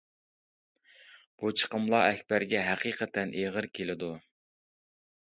بۇ چىقىملار ئەكبەرگە ھەقىقەتەن ئېغىر كېلىدۇ.